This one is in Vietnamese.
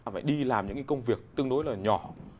phải đi làm những cái công việc tương đối là nhỏ